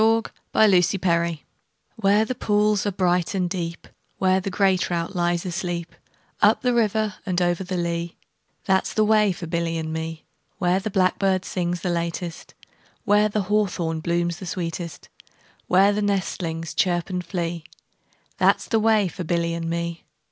A Boy's Song WHERE the pools are bright and deep, Where the grey trout lies asleep, Up the river and over the lea, That 's the way for Billy and me. Where the blackbird sings the latest, 5 Where the hawthorn blooms the sweetest, Where the nestlings chirp and flee, That 's the way for Billy and me.